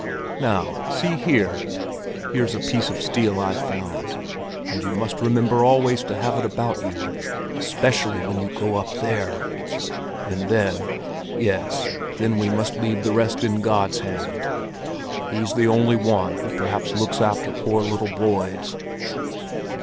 "Now, see here! Here's a piece of steel I've found, and you must remember always to have it about you, especially when you go up there! And then—yes, then we must leave the rest in God's hand. He's the only one who perhaps looks after poor little boys."